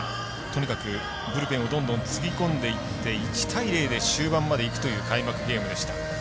とにかくブルペンをどんどんつぎこんでいって１対０で終盤までいくという開幕ゲームでした。